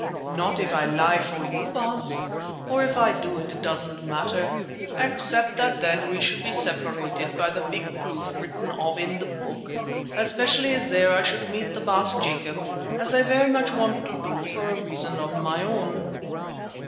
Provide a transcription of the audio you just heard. "Not if I lie for you, Baas, or if I do it doesn't matter, except that then we should be separated by the big kloof written of in the Book, especially as there I should meet the Baas Jacob, as I very much want to do for a reason of my own."